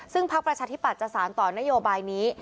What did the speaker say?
ซึ่งพักประชาธิปัตยจะสารต่อนโยบายนี้